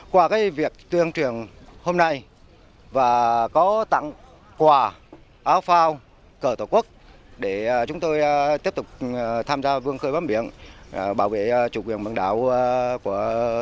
qua việc tuyên truyền hôm nay và có tặng quà